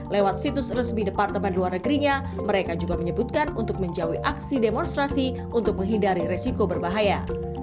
lewat situs resmi departemen luar negerinya mereka juga menyebutkan untuk menjauhi aksi demonstrasi untuk menghindari resiko berbahaya